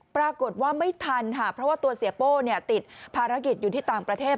ไม่ทันค่ะเพราะว่าตัวเสียโป้ติดภารกิจอยู่ที่ต่างประเทศ